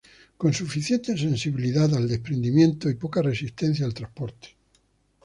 Con suficiente sensibilidad al desprendimiento, y poca resistencia al transporte.